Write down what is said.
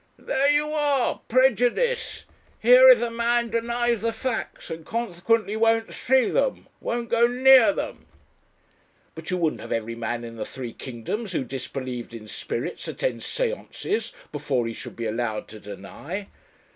"There you are! Prejudice! Here is a man denies the facts and consequently won't see them, won't go near them." "But you wouldn't have every man in the three kingdoms, who disbelieved in spirits, attend séances before he should be allowed to deny?"